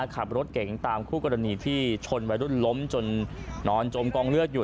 ขับรถเก่งตามคู่กรณีที่ชนวัยรุ่นล้มจนนอนจมกองเลือดอยู่